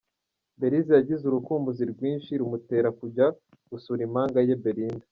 Belise yagize urukumbuzi rwinshi rumutera kujya gusura impanga ye Belinda.